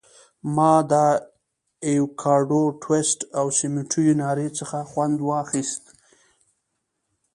ما د ایوکاډو ټوسټ او سموټي ناري څخه خوند واخیست.